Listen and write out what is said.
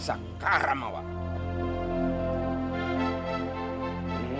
sekarang mau aku